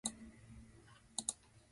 愛媛県松野町